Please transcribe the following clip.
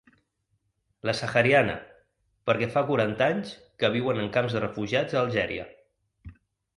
La sahariana, perquè fa quaranta anys que viuen en camps de refugiats a Algèria.